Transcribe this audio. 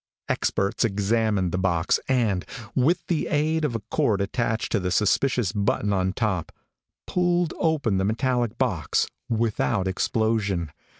Experts examined the box, and, with the aid of a cord attached to the suspicious button on top, pulled open the metallic box without explosion.